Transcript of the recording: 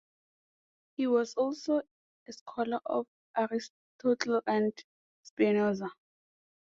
He was also a scholar of Aristotle and Spinoza.